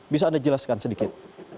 bisa anda jelaskan sedikit